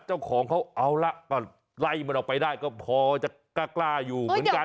เจ้าของเขาเอาละก็ไล่มันออกไปได้ก็พอจะกล้าอยู่เหมือนกัน